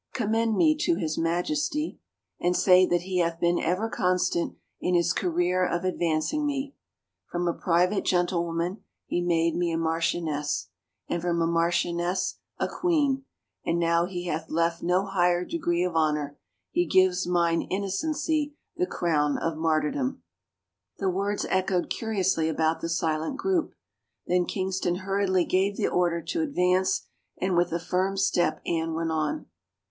" Commend me to his Majesty and say that he hath been ever constant in his career of advancing me. From a private gentlewoman he made me a marchioness, and from a marchioness, a queen, and now he hath left no higher d^jee of honor, he gives mine innocency the crown of martyrdom." The words echoed curiously about the silent group. Then Kingston hurriedly gave the order to advance, and with a firm step Anne went on.